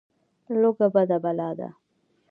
لوږه بده بلا ده.